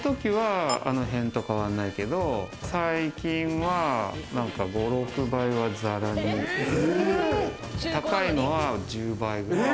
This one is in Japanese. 変わらないけど、最近は５６倍は、ざらに高いのは１０倍くらい。